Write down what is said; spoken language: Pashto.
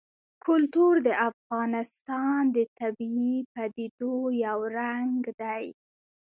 کلتور د افغانستان د طبیعي پدیدو یو رنګ دی.